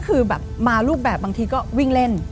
คือแบบมารูปแบบบางทีก็วิ่งเล่น